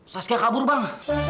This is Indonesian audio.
saskia kabur bang